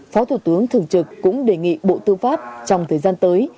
phó thủ tướng thường trực cũng đề nghị bộ tư pháp trong thời gian tới